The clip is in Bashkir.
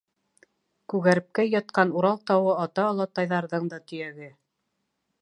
Күгәрепкәй ятҡан Урал тауы Ата-олатайҙарҙың да төйәге.